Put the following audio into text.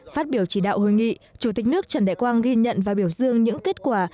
phát biểu chỉ đạo hội nghị chủ tịch nước trần đại quang ghi nhận và biểu dương những kết quả